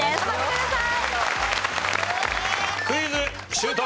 シュート！